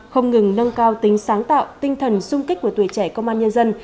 không ngừng nâng cao tính sáng tạo tinh thần sung kích của tuổi trẻ công an nhân dân